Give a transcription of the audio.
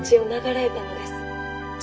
「え？」。